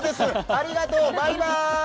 ありがとう！バイバイ。